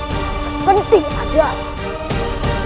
yang penting adalah